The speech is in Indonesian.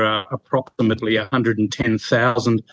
pencari asal yang sedang